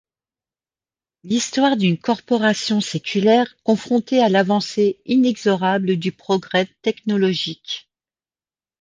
L’histoire d’une corporation séculaire confronté à l'avancée inexorable du progrès technologique.